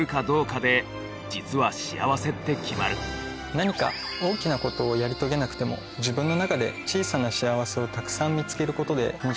何か大きなことをやり遂げなくても自分の中で小さな幸せをたくさん見つけることで。